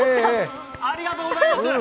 ありがとうございます。